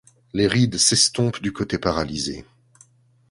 Les rides s'estompent du côté paralysé.